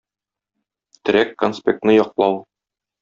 Терәк конспектны яклау.